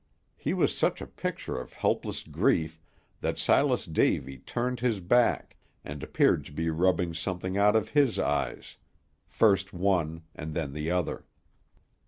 He was such a picture of helpless grief that Silas Davy turned his back, and appeared to be rubbing something out of his eyes; first one and then the other.